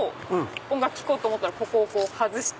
音楽聴こうと思ったら外して。